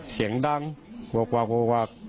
เสียงดังโหวะ